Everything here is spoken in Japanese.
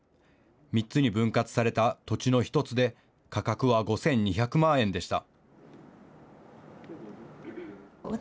３つに分割された土地の１つで価格は５２００万円でした。